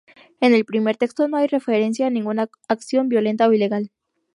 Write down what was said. En el primer texto no hay referencia a ninguna acción violenta o ilegal.